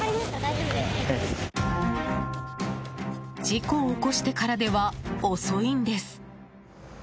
事故を起こしてからでは遅いんです。